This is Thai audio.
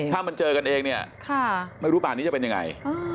ถ้ามันเจอกันเองเนี่ยไม่รู้ป่านนี้จะเป็นยังไง